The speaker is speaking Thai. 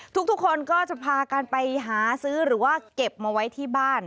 ทุกคนก็จะพากันไปหาซื้อหรือว่าเก็บมาไว้ที่บ้าน